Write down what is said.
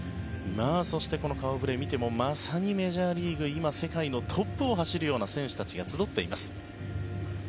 そしてこの顔触れを見てもまさにメジャーリーグ今、世界のトップを走るような選手たちが集っています。